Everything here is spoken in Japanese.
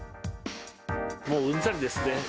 もううんざりですね。